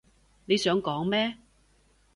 你想講咩？